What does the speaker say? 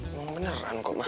emang beneran kok ma